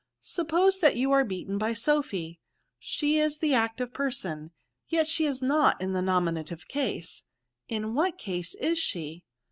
Suppose that you are beaten by Sophy, she is the active person, yet she is not in the nominative case — in what case is she?"